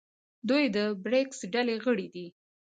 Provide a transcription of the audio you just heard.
دوی د بریکس ډلې غړي دي.